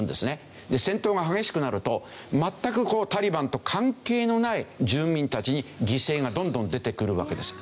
戦闘が激しくなると全くタリバンと関係のない住民たちに犠牲がどんどん出てくるわけですよ。